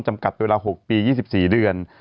จำกัดเวลา๖ปี๒๔เดือน